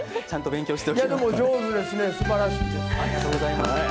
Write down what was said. ちゃんと勉強しておきます。